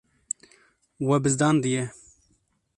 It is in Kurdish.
We bizdandiye.